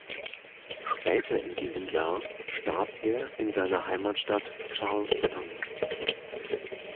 Später in diesem Jahr starb er in seiner Heimatstadt Charlestown.